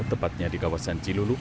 tepatnya di kawasan ciluluk